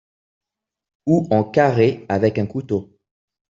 Ou en carrés avec un couteau.